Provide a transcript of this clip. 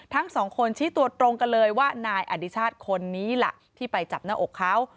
ทั้งสองคนชี้ตัวตรงกันเลยว่านายอดิชาติคนนี้ล่ะที่ไปจับหน้าอกเขา